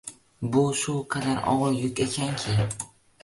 Bu shu qadar og`ir yuk ekanki